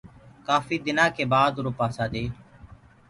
ڪآڦي دنآ ڪي بآد اُرو پآسآ دي